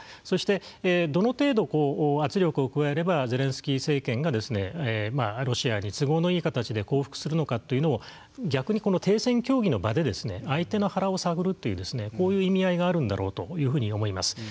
そして、どの程度圧力を加えればゼレンスキー政権がロシアに都合のいい形で降伏するのかというのを逆に停戦協議の場で相手の腹を探るというこういう意味合いがあるんだろうというふうに思います。